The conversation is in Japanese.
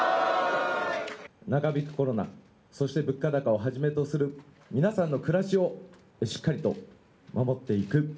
長引くコロナ、そして物価高をはじめとする皆さんの暮らしをしっかりと守っていく。